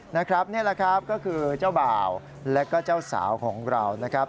นี่แหละครับก็คือเจ้าบ่าวและก็เจ้าสาวของเรานะครับ